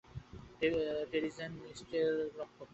Terrigen মিস্টের রক্ষক।